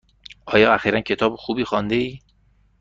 آیا اخیرا کتاب خوبی خوانده ای؟